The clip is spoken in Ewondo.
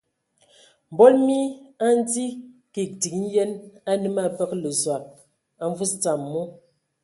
Mbol mii andzi kig din yen anǝ mə abǝgǝlǝ Zɔg a mvus dzam mu.